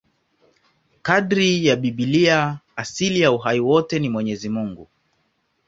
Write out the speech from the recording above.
Kadiri ya Biblia, asili ya uhai wote ni Mwenyezi Mungu.